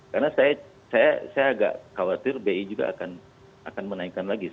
karena saya agak khawatir bi juga akan menaikkan lagi